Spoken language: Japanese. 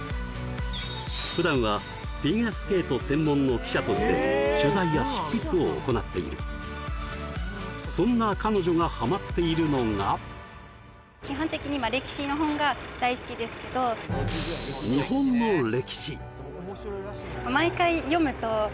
普段はフィギュアスケート専門の記者として取材や執筆を行っているそんな彼女がハマっているのが基本的にこれはやばいな・やっべ！